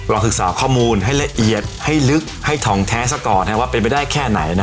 ศึกษาข้อมูลให้ละเอียดให้ลึกให้ทองแท้ซะก่อนว่าเป็นไปได้แค่ไหน